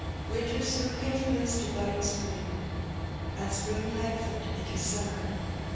Winter Boon gave place to bodding spring, and spring lengthened into summer.